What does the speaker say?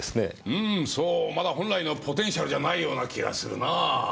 うーんそうまだ本来のポテンシャルじゃないような気がするなぁ。